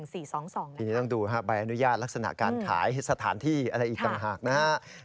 ทีนี้ต้องดูใบอนุญาตลักษณะการขายสถานที่อะไรอีกต่างหากนะครับ